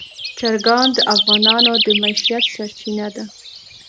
چرګان د افغانانو د معیشت سرچینه ده.